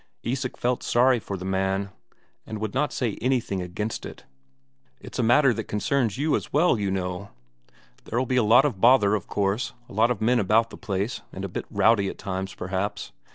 Isak felt sorry for the man, and would not say anything against it. "It's a matter that concerns you as well, you know. There'll be a lot of bother, of course; a lot of men about the place, and a bit rowdy at times, perhaps.